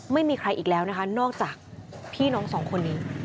ไม่มีใครอีกแล้วนะคะนอกจากพี่น้องสองคนนี้